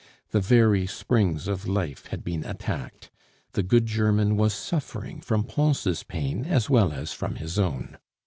The very springs of life had been attacked, the good German was suffering from Pons' pain as well as from his own.